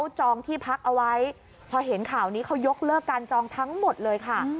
จองที่พักเอาไว้พอเห็นข่าวนี้เขายกเลิกการจองทั้งหมดเลยค่ะ